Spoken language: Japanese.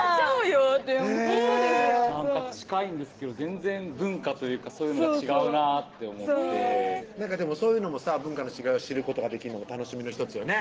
そうなんだへぇ近いんですけど全然文化というかそういうのが違うなって思ってでもそういうのも文化の違いを知ることができるのも楽しみの１つよね